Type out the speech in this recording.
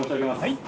はい。